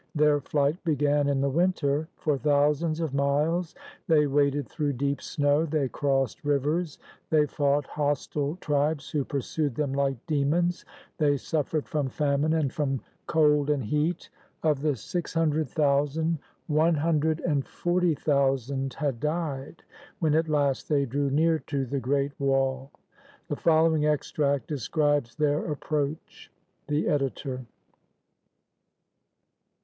Their flight began in the winter. For thousands of miles they waded through deep snow, they crossed rivers, they fought hostile tribes who pursued them like demons, they suffered from famine and from cold and heat. Of the six hundred thousand, one hundred and forty thousand had died when at last they drew near to the Great Wall. The following extract describes their ap proach. The Editor.